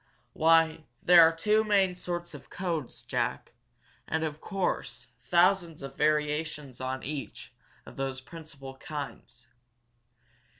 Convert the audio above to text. "Why, there are two main sorts of codes, Jack, and, of course, thousands of variations of each of those principal kinds.